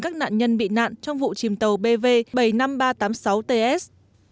các nạn nhân bị nạn trong vụ chìm tàu bv bảy mươi năm nghìn ba trăm tám mươi sáu ts